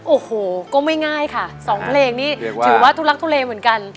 โอ้โหก็ไม่ง่ายค่ะสองเพลงนี้ถือว่าทุลักทุเลเหมือนกัน